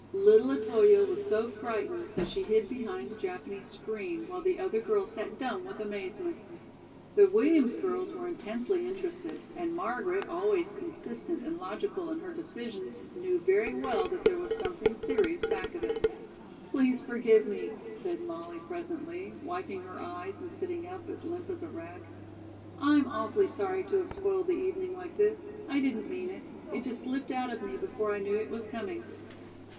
Little Otoyo was so frightened that she hid behind a Japanese screen, while the other girls sat dumb with amazement. The Williams girls were intensely interested, and Margaret, always consistent and logical in her decisions, knew very well that there was something serious back of it. "Please forgive me," said Molly presently, wiping her eyes and sitting up as limp as a rag. "I'm awfully sorry to have spoiled the evening like this. I didn't mean it. It just slipped out of me before I knew it was coming."